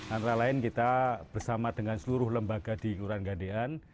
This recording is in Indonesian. antara lain kita bersama dengan seluruh lembaga di kelurahan gandean